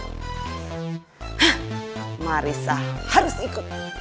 hah marissa harus ikut